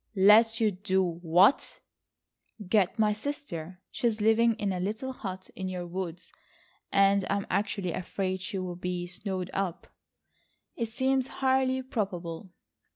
"Let you do what?" "Get my sister. She's living in a little hut in your woods, and I am actually afraid she will be snowed up." "It seems highly probable."